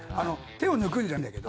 手を抜くんじゃないんだけど。